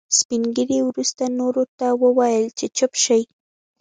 سپين ږيري وروسته نورو ته وويل چې چوپ شئ.